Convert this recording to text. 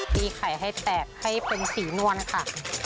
ตีไข่ให้แตกให้เป็นสีนวลค่ะ